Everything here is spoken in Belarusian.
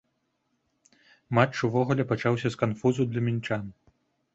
Матч увогуле пачаўся з канфузу для мінчан.